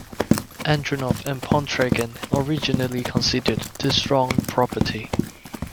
Andronov and Pontryagin originally considered the strong property.